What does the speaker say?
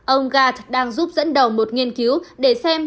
ông gat đang giúp dẫn đầu một nghiên cứu để xem